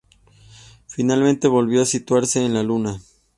Finalmente volvió a situarse en la Luna.